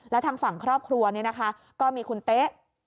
และทางฝั่งครอบครัวก็มีคุณเต๊ะ